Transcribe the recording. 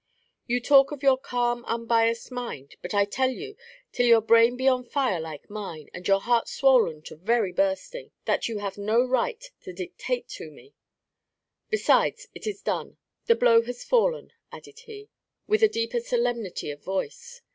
You talk of your calm, unbiassed mind; but I tell you, till your brain be on fire like mine, and your heart swollen to very bursting, that you have no right to dictate to me! Besides, it is done! The blow has fallen," added he, with a deeper solemnity of voice.